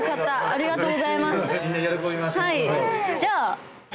ありがとうございます。